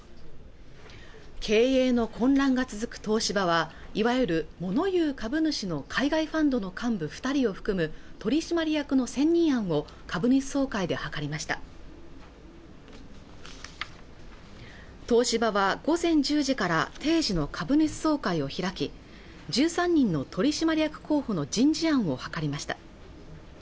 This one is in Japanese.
経営の混乱が続く東芝はいわゆるモノ言う株主の海外ファンドの幹部二人を含む取締役の選任案を株主総会で諮りました東芝は午前１０時から定時の株主総会を開き１３人の取締役候補の人事案を諮りました